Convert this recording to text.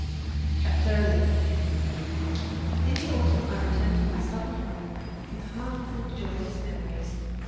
CHAPTER XI In the autumn I returned to my Southern home with a heart full of joyous memories.